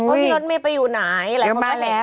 พี่รถเมย์ไปอยู่ไหน